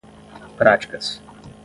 práticas